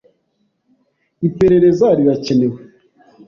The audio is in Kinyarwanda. Iperereza rirakenewe.